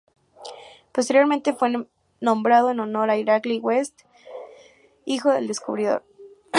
Posteriormente fue nombrado en honor de Irakli West, hijo del descubridor.